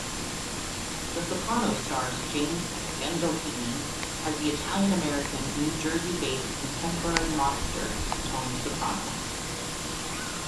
"The Sopranos" stars James Gandolfini as the Italian-American New Jersey-based contemporary mobster Tony Soprano.